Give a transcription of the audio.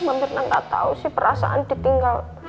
mamirna ga tau sih perasaan ditinggal